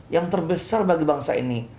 yang terbesar bagi bangsa ini